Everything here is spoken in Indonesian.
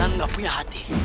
dan gak punya hati